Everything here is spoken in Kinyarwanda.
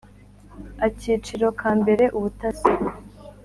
Akiciro ka mbere Ubutasi